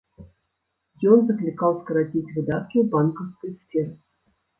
Ён заклікаў скараціць выдаткі ў банкаўскай сферы.